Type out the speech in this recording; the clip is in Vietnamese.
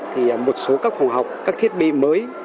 thì một số các phòng học các thiết bị mới